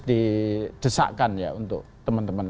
didesakkan ya untuk teman teman